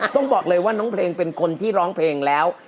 ต้องบอกเลยว่าน้องเพลงเป็นคนที่ร้องเพลงแล้ว